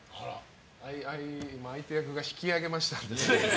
相手役が引き上げましたんで。